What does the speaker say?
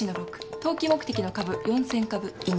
投機目的の株４，０００株委任。